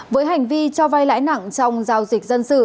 với hành vi cho vay lãi nặng trong giao dịch dân sự